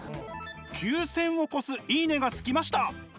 ９，０００を超す「いいね！」がつきました。